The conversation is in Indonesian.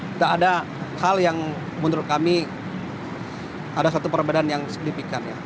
tidak ada hal yang menurut kami ada satu perbedaan yang signifikan ya